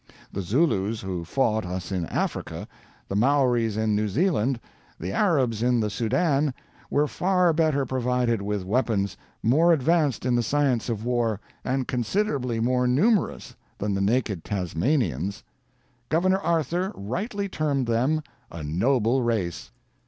The Zulus who fought us in Africa, the Maories in New Zealand, the Arabs in the Soudan, were far better provided with weapons, more advanced in the science of war, and considerably more numerous, than the naked Tasmanians. Governor Arthur rightly termed them a noble race."